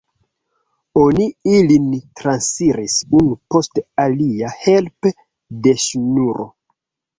Oni ilin transiris unu post alia helpe de ŝnuro.